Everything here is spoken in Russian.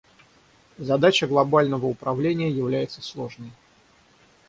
Задача глобального управления является сложной.